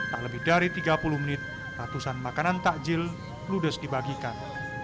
tak lebih dari tiga puluh menit ratusan makanan takjil ludes dibagikan